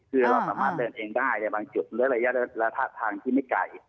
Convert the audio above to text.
ประมาณเดินเองได้ในบางจุดหรือระยะละทางที่ไม่ไกล